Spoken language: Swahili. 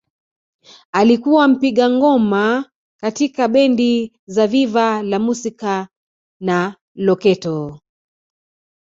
Alikuwa mpiga ngoma katika bendi za Viva la Musica na Loketo